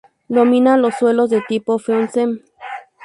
Dominan los suelos de tipo feozem.